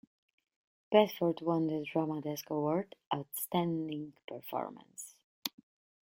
Bedford won the Drama Desk Award, Outstanding Performance.